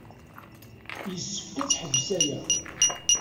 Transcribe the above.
Yessefk ad teḥbes aya.